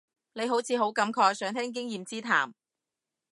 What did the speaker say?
你好似好感慨，想聽經驗之談